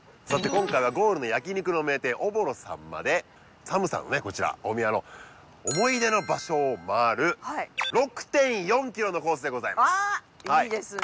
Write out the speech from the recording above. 今回はゴールの焼肉の名店ＯＢＯＲＯさんまでＳＡＭさんのねこちら大宮の思い出の場所を回る６．４ｋｍのコースでございますわあいいですね